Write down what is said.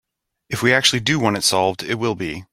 If we actually do want it solved, it will be.